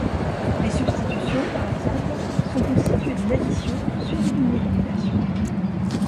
Des substitutions, par exemple, sont constituées d'une addition suivie d'une élimination.